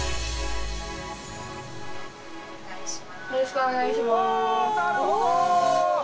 お願いします。